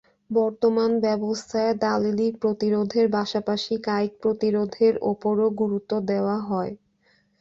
বর্তমান ব্যবস্থায়, দালিলিক প্রতিরোধের পাশাপাশি কায়িক প্রতিরোধের ওপরও গুরুত্ব দেওয়া হয়।